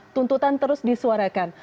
tuntutan terus disuarakan